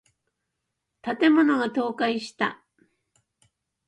建物が倒壊した。